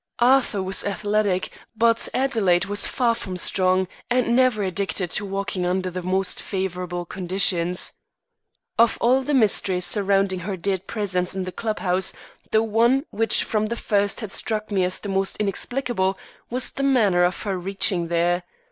Arthur was athletic but Adelaide was far from strong and never addicted to walking under the most favourable conditions. Of all the mysteries surrounding her dead presence in the club house, the one which from the first had struck me as the most inexplicable was the manner of her reaching there.